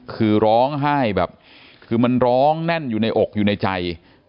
คือร้องไห้แบบคือมันร้องแน่นอยู่ในอกอยู่ในใจ